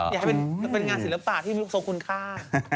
อยากให้เป็นงานศิลปะที่ลูกทรงคุณค่า